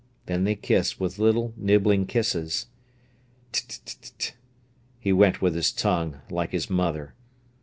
Then they kissed with little nibbling kisses. "T t t t!" he went with his tongue, like his mother.